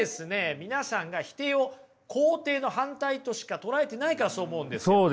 皆さんが否定を肯定の反対としか捉えてないからそう思うんですよ。